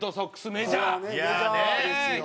メジャーですよ。